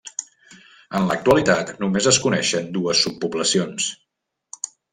En l'actualitat només es coneixen dues subpoblacions.